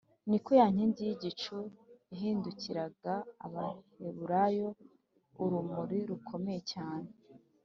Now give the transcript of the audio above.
ni ko ya nkingi y’igicu yahindukiraga abaheburayo urumuri rukomeye cyane,